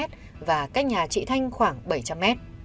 là chị thanh khoảng bảy trăm linh m